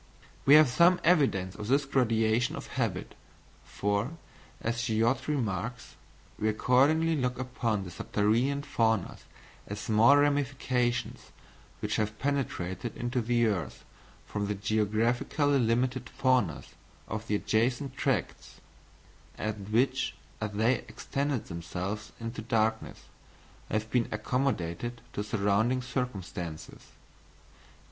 We have some evidence of this gradation of habit; for, as Schiödte remarks: "We accordingly look upon the subterranean faunas as small ramifications which have penetrated into the earth from the geographically limited faunas of the adjacent tracts, and which, as they extended themselves into darkness, have been accommodated to surrounding circumstances.